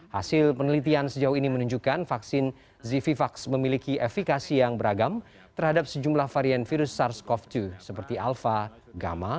hasil penelitian sejauh ini menunjukkan vaksin zivivax memiliki efikasi yang beragam terhadap sejumlah varian virus sars cov dua seperti alpha gamma